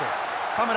田村